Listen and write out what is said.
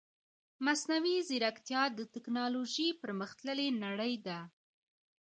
مصنوعي ځيرکتيا د تکنالوژي پرمختللې نړۍ ده .